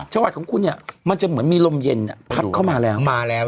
จังหวัดของคุณมันจะเหมือนมีลมเย็นผัดเข้ามาแล้ว